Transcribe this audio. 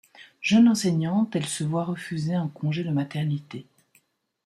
Jeune enseignante, elle se voit refuser un congé de maternité.